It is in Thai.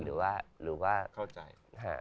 หรือว่าเข้าใจ